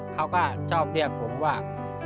เขาก็ชอบเรียกผมว่า